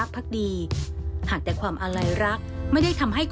โปรดติดตามตอนต่อไป